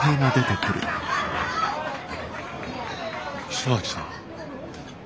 磯崎さん。